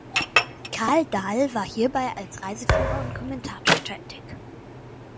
Karl Dall war hierbei als Reiseführer und Kommentator tätig.